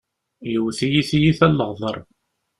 Yewwet-iyi tiyita n leɣder.